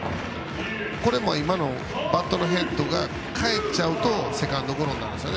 今のもバットのヘッドが返っちゃうとセカンドゴロになるんです。